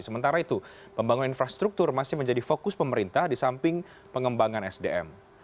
sementara itu pembangunan infrastruktur masih menjadi fokus pemerintah di samping pengembangan sdm